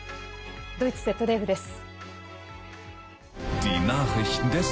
ドイツＺＤＦです。